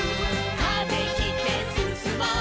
「風切ってすすもう」